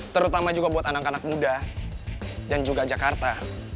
terutama juga buat anak anak muda dan juga jakarta